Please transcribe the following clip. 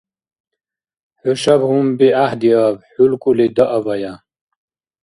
ХӀушаб гьунби гӀяхӀдираб! ХӀулкӀули даабая!